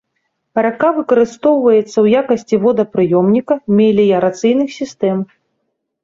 Рака выкарыстоўваецца ў якасці водапрыёмніка меліярацыйных сістэм.